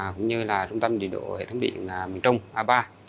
cũng như là trung tâm điều độ hệ thống điện miền trung a ba